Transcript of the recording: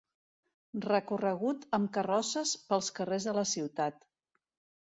Recorregut amb carrosses pels carrers de la ciutat.